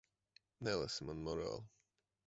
Nelasi man morāli.